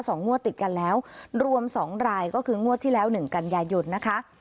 งวดติดกันแล้วรวมสองรายก็คืองวดที่แล้วหนึ่งกันยายนนะคะ